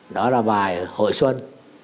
đó là bài hội xuân